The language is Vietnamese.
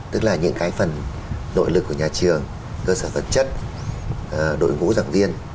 tức là những cái phần nội lực của nhà trường cơ sở vật chất đội ngũ giảng viên